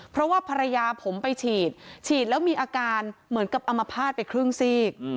เพราะว่าภรรยาผมไปฉีดฉีดแล้วมีอาการเหมือนกับอมภาษณ์ไปครึ่งซีก